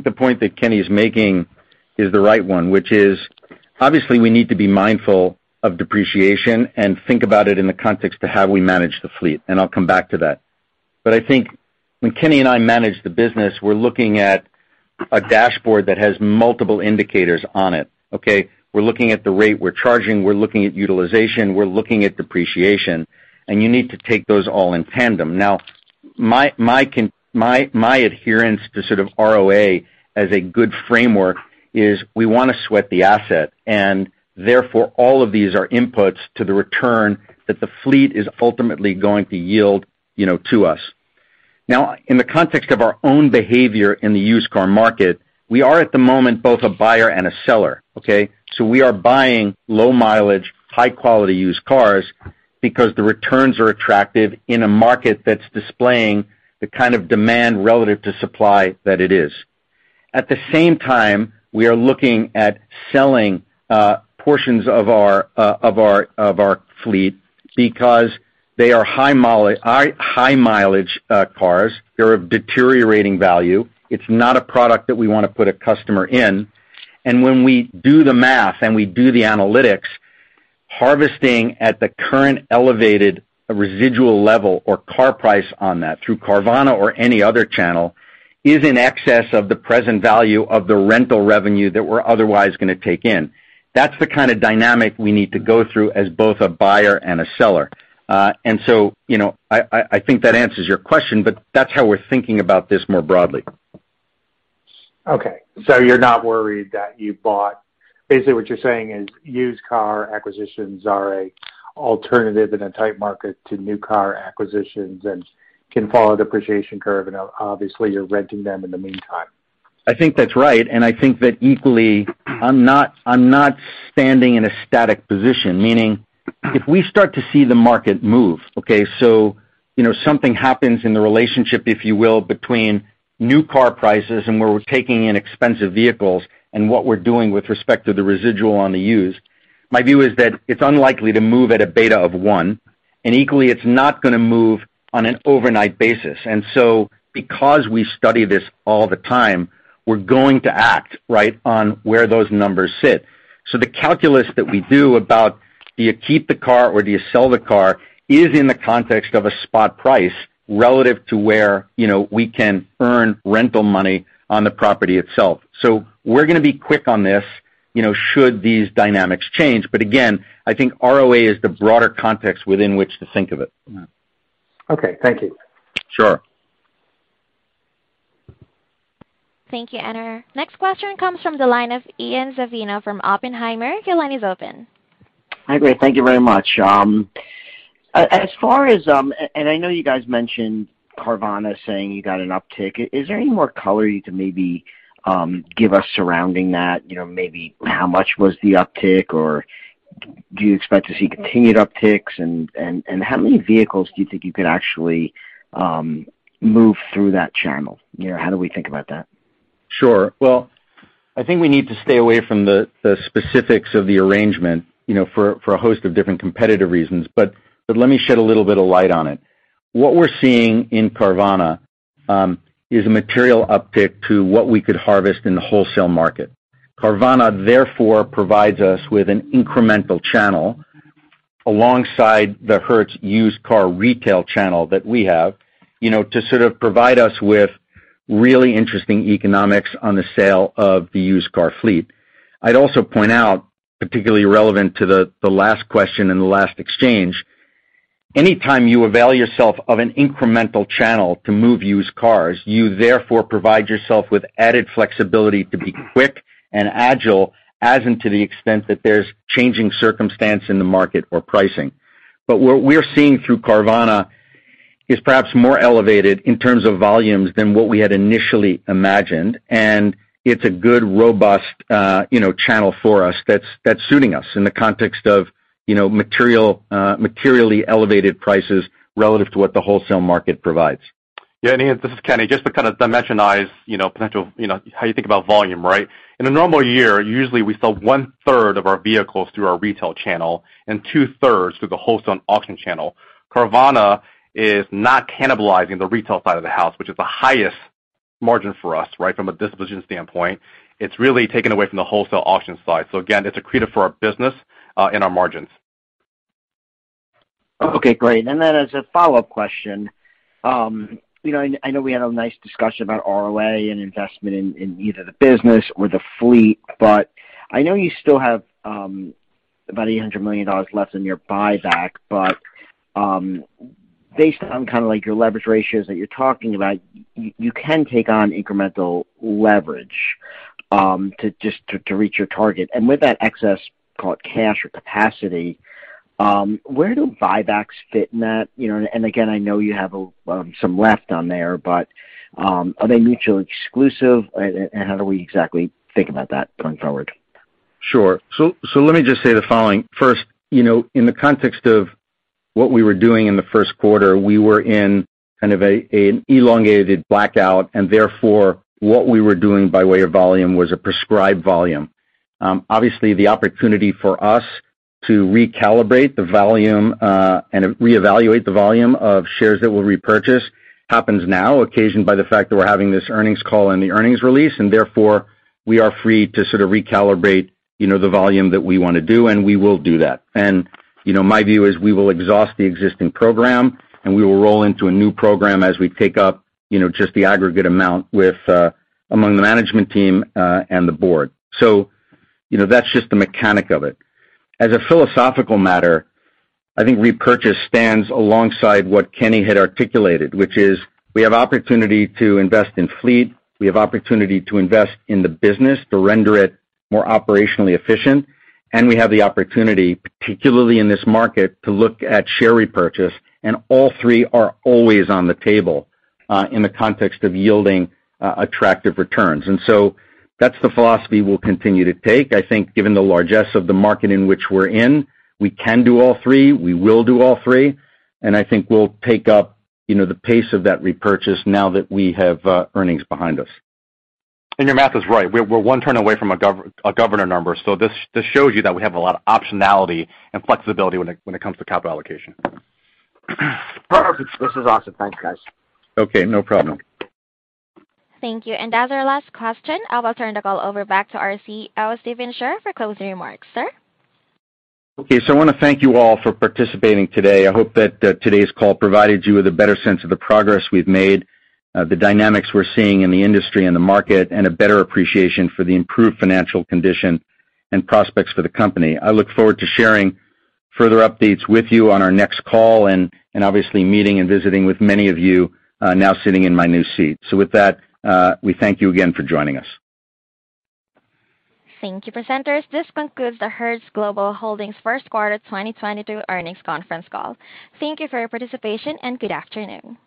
the point that Kenny is making is the right one, which is obviously we need to be mindful of depreciation and think about it in the context of how we manage the fleet, and I'll come back to that. I think when Kenny and I manage the business, we're looking at a dashboard that has multiple indicators on it, okay? We're looking at the rate we're charging, we're looking at utilization, we're looking at depreciation, and you need to take those all in tandem. Now, my adherence to sort of ROA as a good framework is we wanna sweat the asset, and therefore, all of these are inputs to the return that the fleet is ultimately going to yield, you know, to us. Now, in the context of our own behavior in the used car market, we are at the moment both a buyer and a seller, okay? We are buying low mileage, high quality used cars because the returns are attractive in a market that's displaying the kind of demand relative to supply that it is. At the same time, we are looking at selling portions of our fleet because they are high mileage cars. They're of deteriorating value. It's not a product that we wanna put a customer in. When we do the math and we do the analytics, harvesting at the current elevated residual level or car price on that through Carvana or any other channel is in excess of the present value of the rental revenue that we're otherwise gonna take in. That's the kind of dynamic we need to go through as both a buyer and a seller. You know, I think that answers your question, but that's how we're thinking about this more broadly. You're not worried that you bought. Basically, what you're saying is used car acquisitions are an alternative in a tight market to new car acquisitions and can follow the depreciation curve, and obviously, you're renting them in the meantime. I think that's right, and I think that equally, I'm not standing in a static position. Meaning if we start to see the market move, okay, so, you know, something happens in the relationship, if you will, between new car prices and where we're taking in expensive vehicles and what we're doing with respect to the residual on the used, my view is that it's unlikely to move at a beta of one, and equally, it's not gonna move on an overnight basis. Because we study this all the time, we're going to act, right, on where those numbers sit. The calculus that we do about do you keep the car or do you sell the car is in the context of a spot price relative to where, you know, we can earn rental money on the property itself. We're gonna be quick on this, you know, should these dynamics change. Again, I think ROA is the broader context within which to think of it. Okay, thank you. Sure. Thank you. Next question comes from the line of Ian Zaffino from Oppenheimer. Your line is open. Hi, great. Thank you very much. As far as, and I know you guys mentioned Carvana saying you got an uptick. Is there any more color you can maybe give us surrounding that? You know, maybe how much was the uptick or do you expect to see continued upticks? And how many vehicles do you think you could actually move through that channel? You know, how do we think about that? Sure. Well, I think we need to stay away from the specifics of the arrangement, you know, for a host of different competitive reasons, but let me shed a little bit of light on it. What we're seeing in Carvana is a material uptick to what we could harvest in the wholesale market. Carvana therefore provides us with an incremental channel alongside the Hertz used car retail channel that we have, you know, to sort of provide us with really interesting economics on the sale of the used car fleet. I'd also point out, particularly relevant to the last question and the last exchange, any time you avail yourself of an incremental channel to move used cars, you therefore provide yourself with added flexibility to be quick and agile as in to the extent that there's changing circumstance in the market or pricing. What we're seeing through Carvana is perhaps more elevated in terms of volumes than what we had initially imagined, and it's a good, robust, you know, channel for us that's suiting us in the context of, you know, material, materially elevated prices relative to what the wholesale market provides. Yeah, Ian, this is Kenny. Just to kind of dimensionize, you know, potential, you know, how you think about volume, right? In a normal year, usually we sell one third of our vehicles through our retail channel and 2/3 through the wholesale auction channel. Carvana is not cannibalizing the retail side of the house, which is the highest margin for us, right? From a disposition standpoint. It's really taking away from the wholesale auction side. Again, it's accretive for our business and our margins. Okay, great. Then as a follow-up question. You know, I know we had a nice discussion about ROA and investment in either the business or the fleet, but I know you still have about $800 million left in your buyback. Based on kinda like your leverage ratios that you're talking about, you can take on incremental leverage to just reach your target. With that excess, call it, cash or capacity, where do buybacks fit in that? You know, and again, I know you have some left on there, but are they mutually exclusive? How do we exactly think about that going forward? Let me just say the following. First, you know, in the context of what we were doing in the first quarter, we were in kind of an elongated blackout, and therefore, what we were doing by way of volume was a prescribed volume. Obviously the opportunity for us to recalibrate the volume and reevaluate the volume of shares that we'll repurchase happens now, occasioned by the fact that we're having this earnings call and the earnings release, and therefore, we are free to sort of recalibrate, you know, the volume that we wanna do, and we will do that. You know, my view is we will exhaust the existing program, and we will roll into a new program as we take up, you know, just the aggregate amount with, among the management team, and the board. You know, that's just the mechanic of it. As a philosophical matter, I think repurchase stands alongside what Kenny had articulated, which is we have opportunity to invest in fleet, we have opportunity to invest in the business to render it more operationally efficient, and we have the opportunity, particularly in this market, to look at share repurchase, and all three are always on the table, in the context of yielding, attractive returns. That's the philosophy we'll continue to take. I think given the largesse of the market in which we're in, we can do all three, we will do all three, and I think we'll take up, you know, the pace of that repurchase now that we have, earnings behind us. Your math is right. We're one turn away from a governor number. This shows you that we have a lot of optionality and flexibility when it comes to capital allocation. This is awesome. Thank you, guys. Okay, no problem. Thank you. As our last question, I will turn the call over back to our CEO, Stephen Scherr, for closing remarks. Sir? Okay. I wanna thank you all for participating today. I hope that today's call provided you with a better sense of the progress we've made, the dynamics we're seeing in the industry and the market, and a better appreciation for the improved financial condition and prospects for the company. I look forward to sharing further updates with you on our next call and obviously meeting and visiting with many of you now sitting in my new seat. With that, we thank you again for joining us. Thank you, presenters. This concludes the Hertz Global Holdings First Quarter 2022 Earnings Conference Call. Thank you for your participation, and good afternoon.